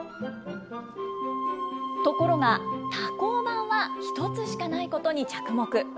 ところが、多孔板は１つしかないことに着目。